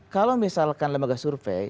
kalau misalkan lembaga survei